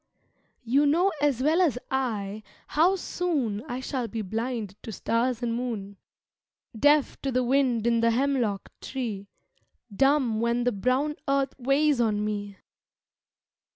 You know as well as I how soon I shall be blind to stars and moon, Deaf to the wind in the hemlock tree, Dumb when the brown earth weighs on me.